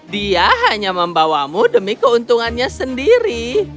dia hanya membawamu demi keuntungannya sendiri